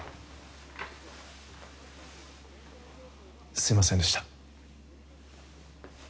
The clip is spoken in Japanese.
すいませんでした。